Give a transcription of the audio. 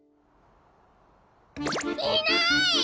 いない！